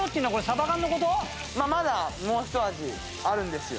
まだもうひと味あるんですよ